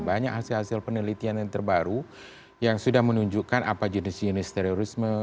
banyak hasil hasil penelitian yang terbaru yang sudah menunjukkan apa jenis jenis terorisme